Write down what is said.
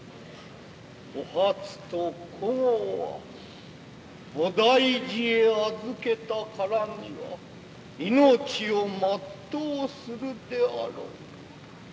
お初と江は菩提寺へ預けたからには命を全うするであろう。